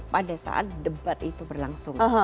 pada saat debat itu berlangsung